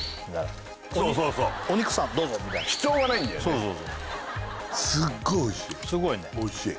そうそうそうすっごいおいしいすごいねおいしい